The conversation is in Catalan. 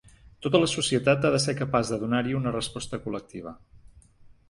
Tota la societat ha de ser capaç de donar-hi una resposta col·lectiva.